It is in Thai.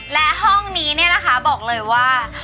และห้องนี้เนี่ยนะคะบอกเลยว่า